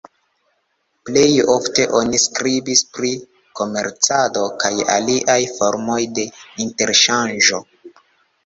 Plej ofte oni skribis pri komercado kaj aliaj formoj de interŝanĝo.